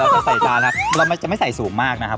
เราจะใส่จานนะครับเราจะไม่ใส่สูงมากนะครับ